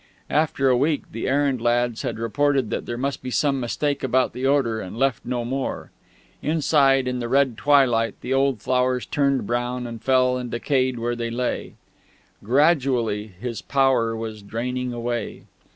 After a week, the errand lads had reported that there must be some mistake about the order, and had left no more. Inside, in the red twilight, the old flowers turned brown and fell and decayed where they lay. Gradually his power was draining away.